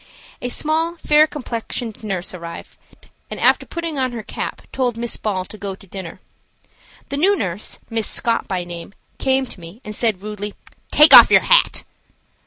A small, fair complexioned nurse arrived, and, after putting on her cap, told Miss Ball to go to dinner. The new nurse, Miss Scott by name, came to me and said, rudely: "Take off your hat."